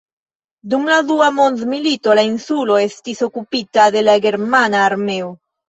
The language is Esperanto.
Dum la Dua mondmilito la insulo estis okupita de la germana armeo.